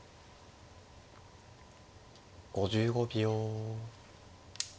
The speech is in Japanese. ５５秒。